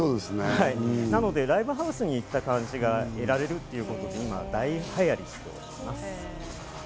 なのでライブハウスにいった感じが得られるというのが大体あります。